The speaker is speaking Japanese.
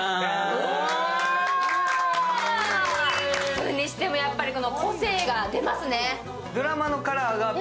それにしても、やっぱり個性が出ますね。